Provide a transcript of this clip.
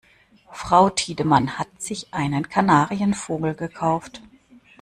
Frau Tiedemann hat sich einen Kanarienvogel gekauft.